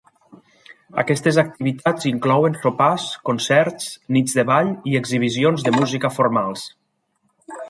Aquestes activitats inclouen sopars, concerts, nits de ball i exhibicions de música formals.